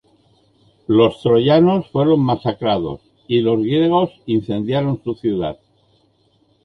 Los troyanos fueron masacrados, y los griegos incendiaron su ciudad.